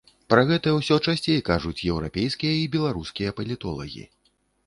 Пра гэта ўсё часцей кажуць еўрапейскія і беларускія палітолагі.